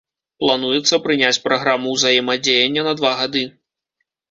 Плануецца прыняць праграму ўзаемадзеяння на два гады.